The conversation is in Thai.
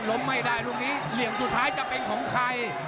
ไม่ได้ลูกนี้เหลี่ยมสุดท้ายจะเป็นของใคร